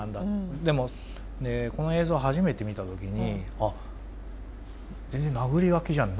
でもこの映像を初めて見た時にあっ全然なぐり書きじゃないんだ。